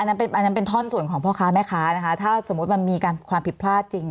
อันนั้นเป็นท่อนส่วนของพ่อค้าแม่ค้านะคะถ้าสมมุติมันมีความผิดพลาดจริง